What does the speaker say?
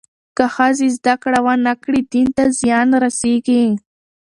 که ښځې زدهکړه ونه کړي، دین ته زیان رسېږي.